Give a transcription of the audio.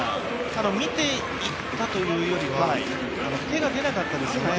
見ていったというよりは手が出なかったですね。